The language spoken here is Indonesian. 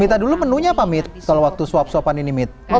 mita dulu menunya apa mith kalau waktu suap suapan ini mith